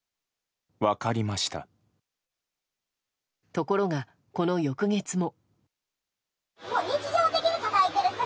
ところがこの翌月も。